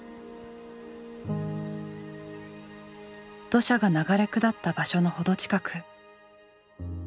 土砂が流れ下った場所のほど近く。